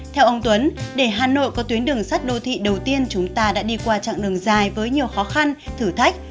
theo ông tuấn để hà nội có tuyến đường sắt đô thị đầu tiên chúng ta đã đi qua chặng đường dài với nhiều khó khăn thử thách